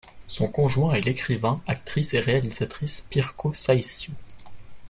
Son conjoint est l'écrivain, actrice et réalisatrice Pirkko Saisio.